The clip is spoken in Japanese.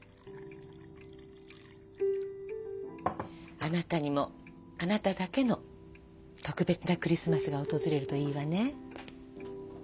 あなたにもあなただけの特別なクリスマスが訪れるといいわね。